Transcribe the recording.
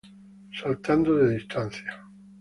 Saltando de distancia.